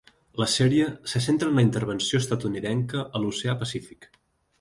La sèrie se centra en la intervenció estatunidenca a l'Oceà Pacífic.